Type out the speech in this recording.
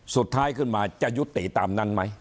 สุดท้ายขึ้นมาจะยุติตามนั้นไหม